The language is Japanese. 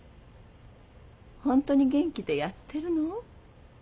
ホントに元気でやってるの？